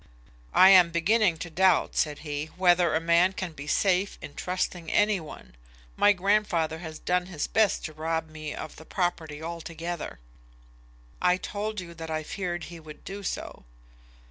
"I am beginning to doubt," said he, "whether a man can be safe in trusting any one. My grandfather has done his best to rob me of the property altogether." "I told you that I feared he would do so."